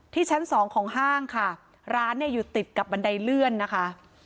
ชั้นสองของห้างค่ะร้านเนี่ยอยู่ติดกับบันไดเลื่อนนะคะ